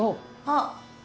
あっ。